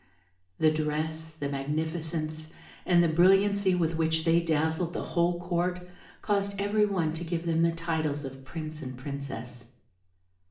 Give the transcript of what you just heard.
The dress, the magnificence, and the brilliancy with which they dazzled the whole court caused every one to give them the titles of prince and princess.